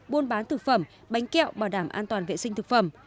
buôn bán thực phẩm bánh kẹo bảo đảm an toàn vệ sinh thực phẩm